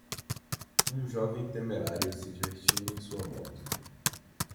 Um jovem temerário se divertindo em sua moto.